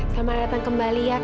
selamat datang kembali ya